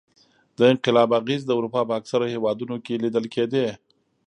د انقلاب اغېزې د اروپا په اکثرو هېوادونو کې لیدل کېدې.